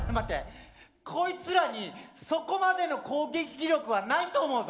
こいつらにそこまでの攻撃力はないと思うぞ。